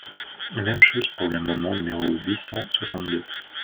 Même chose pour l’amendement numéro huit cent soixante-deux.